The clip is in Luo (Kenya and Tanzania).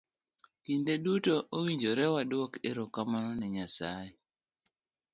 Kinde duto owinjo waduok erokamano ne nyasaye.